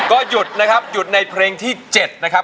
ก็หยุดนะครับหยุดในเพลงที่๗นะครับ